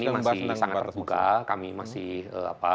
ya tapi ini masih sangat terbuka kami masih apa